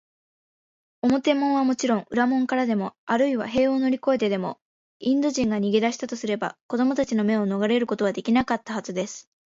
表門はもちろん、裏門からでも、あるいは塀を乗りこえてでも、インド人が逃げだしたとすれば、子どもたちの目をのがれることはできなかったはずです。